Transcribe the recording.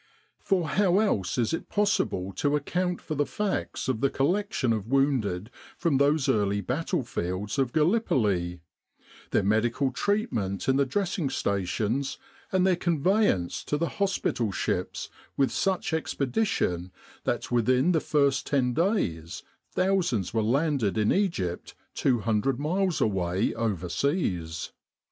For how else is it possible to account for the facts of the collection of wounded from those early battle fields of Gallipoli; their medical treatment in the dressing stations and their conveyance to the hospital ships with such expedition that within the first ten days thousands were landed in Egypt 200 miles away overseas